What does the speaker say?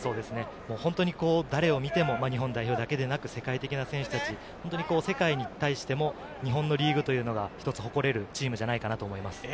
本当に誰を見ても、日本代表だけではなく世界的な選手たち、世界に対しても日本のリーグというのが、ひとつ誇れるチームじゃないかと思います。